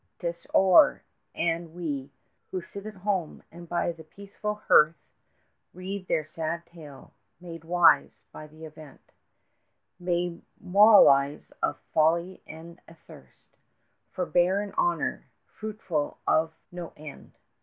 'Tis o'er, and we 5 Who sit at home, and by the peaceful hearth Read their sad tale, made wise by the event, May moralize of folly and a thirst For barren honour, fruitful of no end.